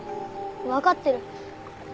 わかってる。